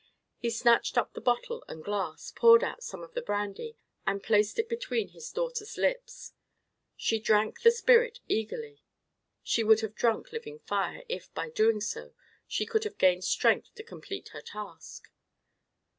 He snatched up the bottle and glass, poured out some of the brandy, and placed it between his daughter's lips. She drank the spirit eagerly. She would have drunk living fire, if, by so doing, she could have gained strength to complete her task.